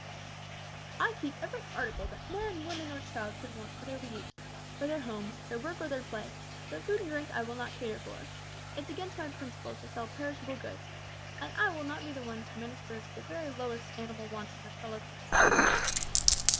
"I keep every article that man, woman, or child can want for their use, for their homes, their work or their play; but food and drink I will not cater for. It's against my principles to sell perishable goods, and I will not be the one to minister to the very lowest animal wants of my fellow creatures."